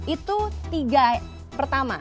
itu tiga pertama